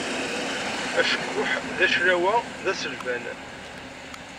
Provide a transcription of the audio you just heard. Acekkuḥ d aclawa,d aselban.